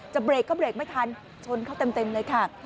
เบรกก็เบรกไม่ทันชนเขาเต็มเลยค่ะ